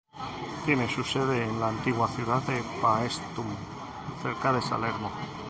Tiene su sede en la antigua ciudad de Paestum, cerca de Salerno.